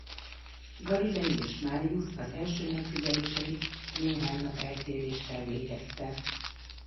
Galilei és Marius az első megfigyeléseit néhány nap eltéréssel végezte.